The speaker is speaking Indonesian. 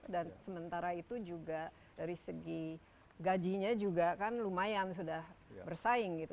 dan sementara itu juga dari segi gajinya juga kan lumayan sudah bersaing gitu